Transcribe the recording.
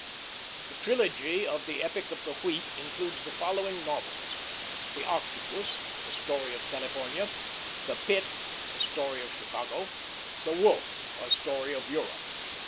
The Trilogy of The Epic of the Wheat includes the following novels: THE OCTOPUS, a Story of California. THE PIT, a Story of Chicago. THE WOLF, a Story of Europe.